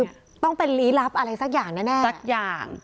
คือต้องเป็นหลีลับอะไรสักอย่างแน่